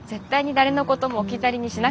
誰のことも置き去りにしない。